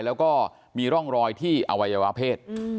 แล้วก็มีร่องรอยที่อวัยวะเพศ